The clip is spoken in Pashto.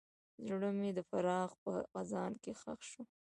زړه مې د فراق په خزان کې ښخ شو.